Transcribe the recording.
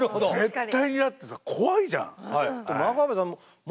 絶対にだってさ怖いじゃん。